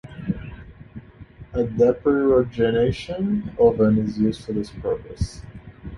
A depyrogenation oven is used for this purpose.